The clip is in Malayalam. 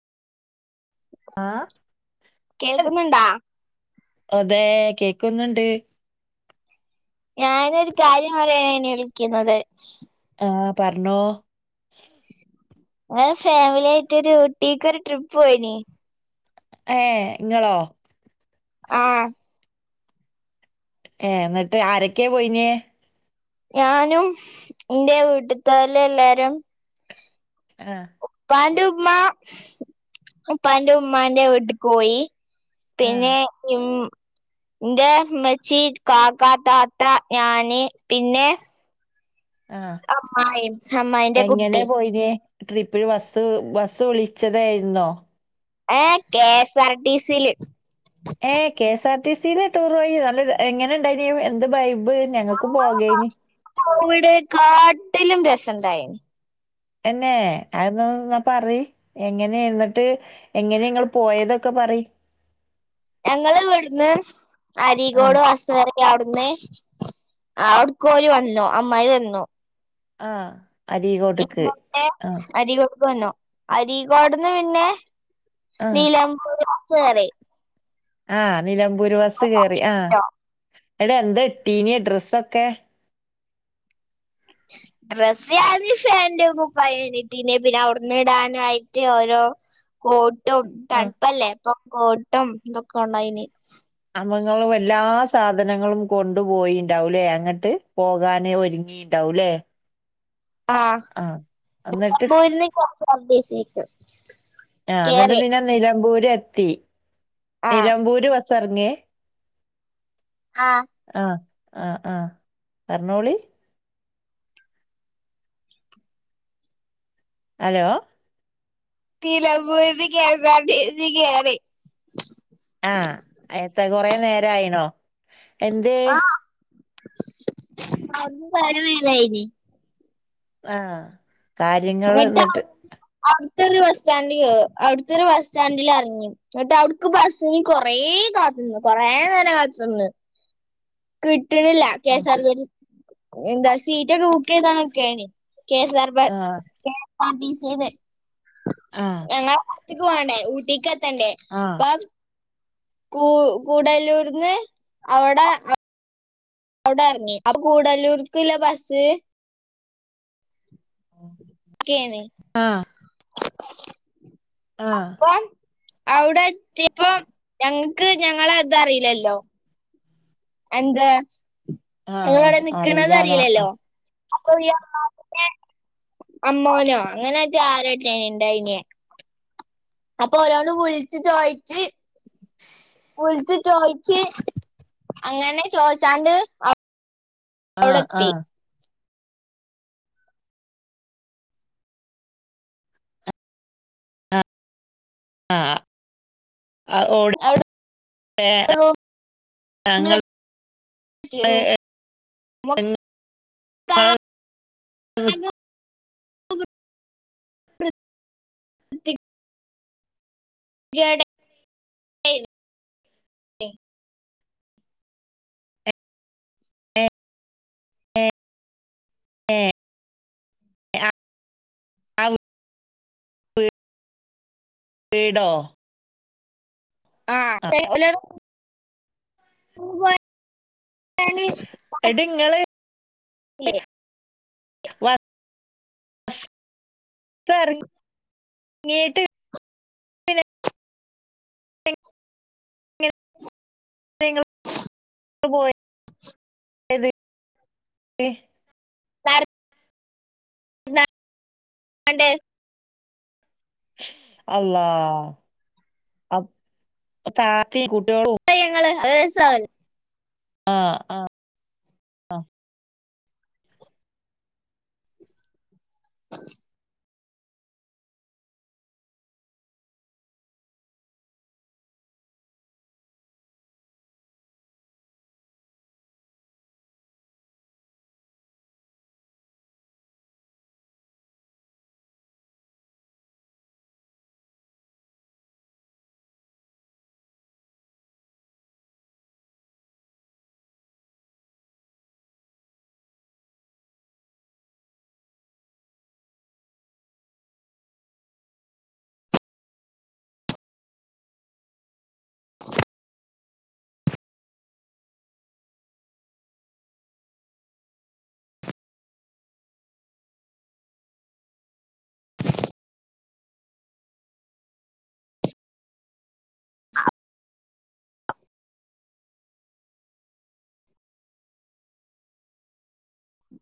ആഹ് കേൾക്കുന്നുണ്ടാ അതേ കേക്ക്ന്നുണ്ട് ഞാനൊരു കാര്യം പറയാന വിളിക്കുന്നത് ആ പറഞ്ഞോ ഞങ്ങൾ ഫാമിലി ആയിട്ടൊരു ഊട്ടിക്ക് ഒരു ട്രിപ്പ് പോയിന് ഏഹ് ഇങ്ങളോ ആഹ് ഏ എന്നിട്ട് ആരൊക്കെയാ പോയിന് ഞാനും എന്റെ വീട്ടത്തോൽ എല്ലാരും ആഹ് ഉപ്പാന്റുമ്മ ഉപ്പാന്റുമ്മാന്റെ വീട്ടില്ക്ക് പോയി ആഹ് പിന്നെ നും ഇന്റെ ഇമ്മച്ചീ കാക്ക താത്ത ഞാന് പിന്നെ ആഹ് അമ്മായീ അമ്മായിന്റെ കുട്ടി [unintelligible] ട്രിപ്ന് ബസ് ബസ്സ് വിളിച്ചതായിരുന്നോ ഏഹ് കെ എസ് ആർ ടി സിയില് ഏ K S R T സിയില tour പോയി നല്ല എങ്ങനെ ഇണ്ടായിന് എന്ത് ബൈബ് ഞങ്ങൾക്ക് പോകേന് ഇവിടെ കാട്ടിലും രസണ്ടായിന് എന്നേ അത്ന്ന്നാ ഒന്ന് പറയ് എങ്ങനെ എന്നിട്ട് എങ്ങനെ ഇങ്ങൾ പോയതൊക്കെ പറി ഞങ്ങള് ഇവട്ന്ന് ആഹ് അരീകോട് ബസ് കേറി അവ്ട്ന്ന് അവ്ട്ക്കോല് വന്നു അമ്മായി വന്നു ആഹ് അരീക്കോട്ട്ക്ക് ഇമ്മമ്മേ ആഹ് അരീക്കോട്ക്ക് വന്നു അരീക്കോട്ന്ന് പിന്നെ ആഹ് നിലമ്പൂർ [unintelligible] കേറി ആഹ് നിലമ്പൂർ ബസ് കേറി ആഹ് ഇന്നെട്ട് എന്താ ഇട്ടീന്യേ ഡ്രസ്സൊക്കെ [inaudible] ഡ്രസ്സ്‌ ഞാന് ഫാന്റും കുപ്പായേനി ഇട്ടീന്നേ പിന്നെ അവിട്ന്ന് ഇടാനായിട്ട് ഓരോ കോട്ടും ആ, തണുപ്പല്ലേ ഇപ്പൊ കോട്ടും ഇതൊക്കെ കൊണ്ടോയിനി അമ്മങ്ങളും എല്ലാ സാധനങ്ങളും കൊണ്ടു പോയിണ്ടാവുംലേ അങ്ങെട്ട് പോകാന് ഒരുങ്ങി ണ്ടാവും ലേ ആഹ് ഇപ്പം എന്നിട്ട് പോയിര്ന്നേ കൊറച്ച് [unintelligible] കിട്ടും ആഹ് ഇന്നെട്ട് പിന്നെ നിലമ്പൂര് എത്തി ആ നിലമ്പൂര് ബസ് എറങ്ങെ ആഹ് ആഹ് ആഹ് ആഹ് പറഞ്ഞോളി ഹലോ നിലമ്പൂര്ന്ന് കെഎസ്ആർട്ടിസി കേറി ആഹ് എത്താ കൊറേ നേരം ആയിണോ ആഹ് [unintelligible] ആഹ് കാര്യങ്ങള്ന്നെട്ട് അവിട്ത്തൊര് ബസ് സ്റ്റാൻഡില് കേ അവിട്ത്തൊരു ബസ് സ്റ്റാൻഡിൽ എറങ്ങി ഇന്നെട്ട് അവ്ട്ക്ക് ബസ്സിന് കൊറേ കാത്ത്ന്ന് കൊറേ നേരം കാത്ത്ന്ന് കിട്ട്ന്നില്ല ആ കെഎസ്ആർ എന്താ സീറ്റൊക്കെ ബുക്കെയ്താണ്ട് നിക്കേനി എസ് ആർ വെ ആ കെഎസ് ആർടിസീന്ന് ആ ഞങ്ങള് ഊട്ടീക്ക് പോകാണ് ഊട്ടിക്ക് എത്തണ്ടേ ആ അപ്പം കൂ കൂടലൂര്ന്ന് അവിടെ അ അവ്ടെ എറങ്ങി അപ്പൊ കൂടലൂർക്ക്ള്ള ബസ് കേറി ആ ആഹ് അപ്പം അവ്ടെ എത്തിയപ്പം ഞങ്ങക്ക് ഞങ്ങളെ ഇത്റിയില്ലല്ലോ എന്ത് ആ നിങ്ങളെവിടെ അറിയില്ല നിക്ക്ണത് ഞാൻ ആ അറീലല്ലോ അപ്പൊ ഈ അമ്മാവൻ്റെ അമ്മോനോ അങ്ങനെറ്റേ ആരൊറ്റെ ഇണ്ടായിന്യേ അപ്പം ഓലോട് വിളിച്ച് ചോയിച്ച് വിളിച്ച് ചോയ്ച്ച് അങ്ങനെ ചോയിച്ചാണ്ട് ആഹ് ആഹ് ആഹ് അഹ് അവിടെ [unintelligible] ഞങ്ങള് റൂമിലെത്തി [unintelligible] റൂമൊക്കെ നിങ്ങള് ആകെ [unintelligible] ഇജ്ജ്ടെ നിക്കണേ [unintelligible] [unintelligible] ആ [unintelligible] വീടോ ആ. ആഹ് [unintelligible] [unintelligible] ഇങ്ങള് ഇല്ലേ, ബസ് ഇപ്പറങ്ങിട്ട് നിങ്ങള് പോയത് [unintelligible] അള്ളാഹ് താത്തിം കുട്ട്യാളും ഞങ്ങള് അത് രസാവുല്ലോ ആഹ് ആഹ് [unintelligible]